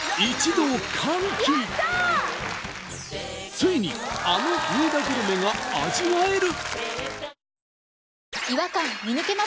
ついにあの上田グルメが味わえる！